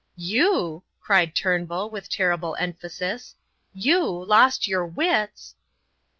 "You!" cried Turnbull with terrible emphasis. "You! Lost your wits!"